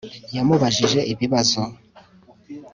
Yamubajije ibibazo